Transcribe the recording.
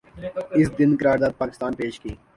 اس دن قرارداد پاکستان پیش کی